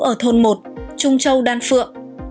ở thôn một trung châu đan phượng